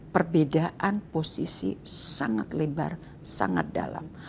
perbedaan posisi sangat lebar sangat dalam